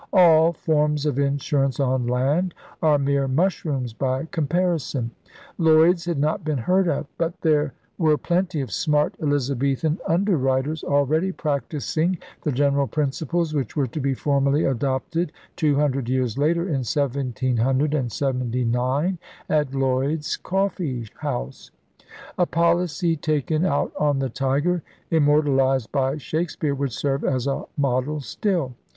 All forms of insurance on land are mere mushrooms by com parison. Lloyd's had not been heard of. But there were plenty of smart Elizabethan under 60 ELIZABETHAN SEA DOGS writers already practising the general principles which were to be formally adopted two hundred years later, in 1779, at Lloyd's Coffee House. A policy taken out on the Tiger immortalized by Shakespeare would serve as a model still.